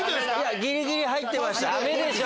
ギリギリ入ってました